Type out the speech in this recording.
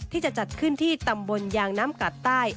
ที่จะจัดขึ้นที่ตำบลยางน้ำกัดใต้